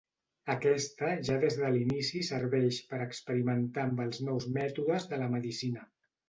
Aquesta ja des de l'inici serveix per experimentar amb els nous mètodes de la medicina.